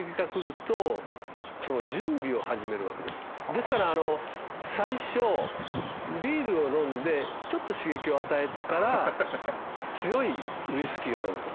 ですから最初ビールを飲んでちょっと刺激を与えてから強いウイスキーを飲むとすると大丈夫なんです。